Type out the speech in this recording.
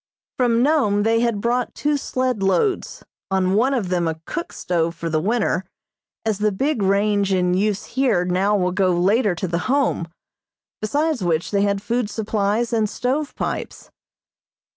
From Nome they had brought two sled loads, on one of them a cook stove for the winter, as the big range in use here now will go later to the Home, besides which they had food supplies and stove pipes.